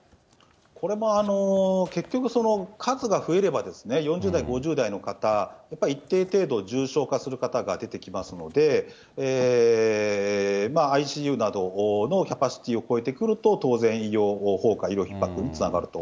これも結局、数が増えれば、４０代、５０代の方、やっぱり一定程度、重症化する方が出てきますので、ＩＣＵなどのキャパシティーを超えてくると、当然、医療崩壊、医療ひっ迫につながると。